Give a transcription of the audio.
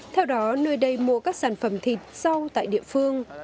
theo đó nơi đây mua các sản phẩm thịt rau tại địa phương